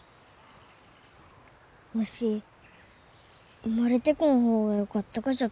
わし生まれてこん方がよかったがじゃと。